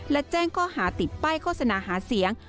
และแจ้งข้อหาติดป้ายโฆษณาหาเสียง